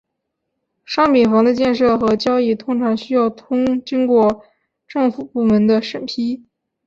商品房的建设和交易通常需要经过政府部门的审批。